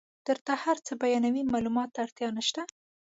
درته هر څه بیانوي معلوماتو ته اړتیا نشته.